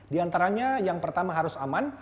di antaranya yang pertama harus aman